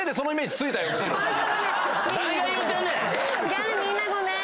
ギャルみんなごめーん！